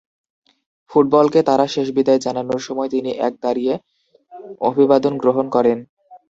ফুটবলকে তার শেষ বিদায় জানানোর সময় তিনি এক দাঁড়িয়ে অভিবাদন গ্রহণ করেন।